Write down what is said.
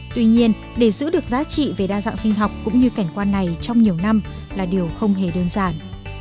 tuy nhiên để giữ được giá trị về đa dạng sinh học cũng như cảnh quan này trong nhiều năm là điều không hề đơn giản